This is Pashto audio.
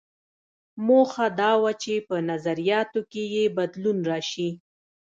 موخه دا وه چې په نظریاتو کې یې بدلون راشي.